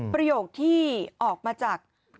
ประโยคที่ออกมาจาก